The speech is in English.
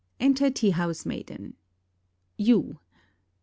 {Enter tea house maiden.) You.